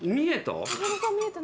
見えた？